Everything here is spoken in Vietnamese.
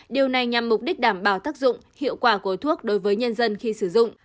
điều này nhằm mục đích đảm bảo tác dụng hiệu quả của thuốc đối với nhân dân khi sử dụng